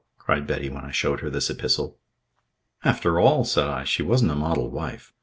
cried Betty when I showed her this epistle. "After all," said I, "she wasn't a model wife.